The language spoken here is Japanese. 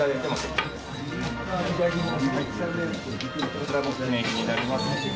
こちらも記念品になります。